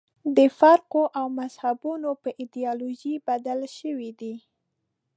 د فرقو او مذهبونو په ایدیالوژۍ بدلې شوې دي.